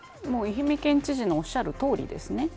もう愛媛県知事のおっしゃるとおりですね。